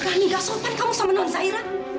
berani gasot kan kamu sama non zairan